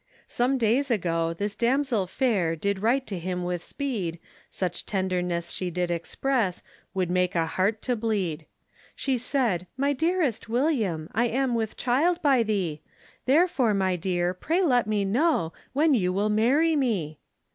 Some days ago this damsel fair Did write to him with speed, Such tenderness she did express Would make a heart to bleed. She said, my dearest William, I am with child by thee; Therefore, my dear, pray let me know When you will marry me.